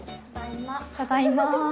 ただいま！